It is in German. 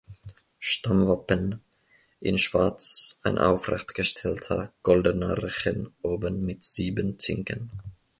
Stammwappen: In Schwarz ein aufrecht gestellter goldener Rechen, oben mit sieben Zinken.